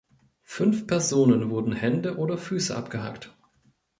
Fünf Personen wurden Hände oder Füße abgehackt.